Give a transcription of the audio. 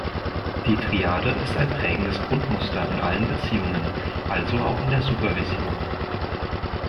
Die Triade ist ein prägendes Grundmuster in allen Beziehungen, also auch in der Supervision.